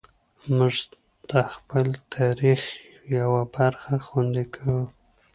موږ د خپل تاریخ یوه برخه خوندي کوو.